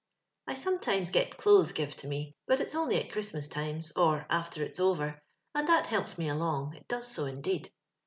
I sometimes gets clothes give to me, but it's only at Christmas times, or after its over ; and that helps me along — it does so, indeed.